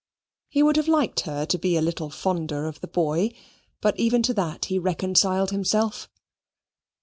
He would have liked her to be a little fonder of the boy, but even to that he reconciled himself.